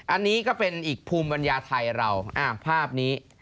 อันนี้ก็เป็นอีกภูมิปัญญาไทยเราภาพนี้